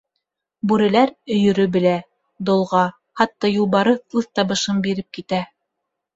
Бүреләр өйөрө белә: долға... хатта юлбарыҫ үҙ табышын биреп китә.